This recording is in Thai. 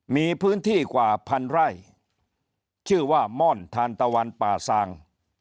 มีพื้นที่กว่าพันไร่ชื่อว่าม่อนทานตะวันป่าซาง